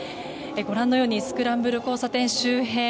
ご覧のようにスクランブル交差点周辺